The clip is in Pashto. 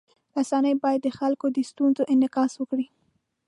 رسنۍ باید د خلکو د ستونزو انعکاس وکړي.